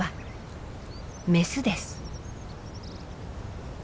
メスです。